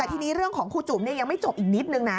แต่ทีนี้เรื่องของครูจุ๋มยังไม่จบอีกนิดนึงนะ